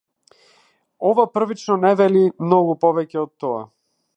Ова првично не вели многу повеќе од тоа.